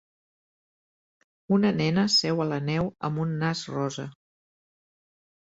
Una nena seu a la neu amb un nas rosa.